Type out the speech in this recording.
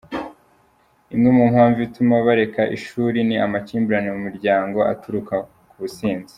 Imwe mu mpamvu ituma bareka ishuri ni amakimbirane mu miryango aturuka ku businzi.